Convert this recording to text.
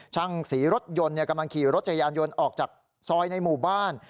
ช่างศรีรถยนต์กำลังขี่รถจักรยานยนต์ออกจากซอยในหมู่บ้าน